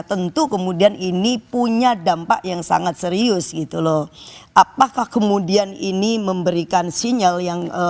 tentu kemudian ini punya dampak yang sangat serius gitu loh apakah kemudian ini memberikan sinyal yang